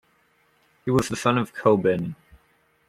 He was the son of Coban.